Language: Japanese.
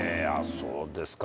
そうですか。